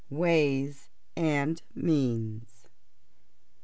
WAYS AND MEANS.